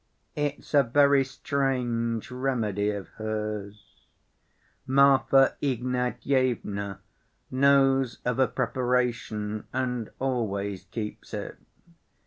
It's a very strange remedy of hers. Marfa Ignatyevna knows of a preparation and always keeps it.